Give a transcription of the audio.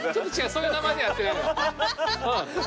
そういう名前ではやってないの。